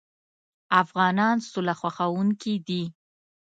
افغانان سوله خوښوونکي دي.